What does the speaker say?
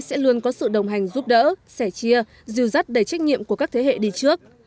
sẽ luôn có sự đồng hành giúp đỡ sẻ chia dưu dắt đầy trách nhiệm của các thế hệ đi trước